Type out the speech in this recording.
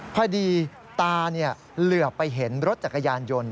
พอดีตาเหลือไปเห็นรถจักรยานยนต์